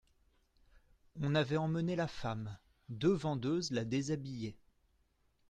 On avait emmené la femme, deux vendeuses la déshabillaient.